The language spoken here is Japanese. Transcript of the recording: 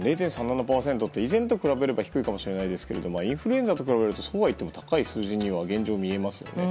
０．３７％って依然と比べれば低いかもしれないですがインフルエンザと比べるとそうはいっても高い数字には現状、見えますよね。